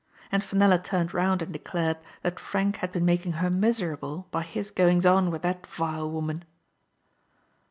And Fenella turned round and declared that Frank had been making her miserable by his goings on with that vile woman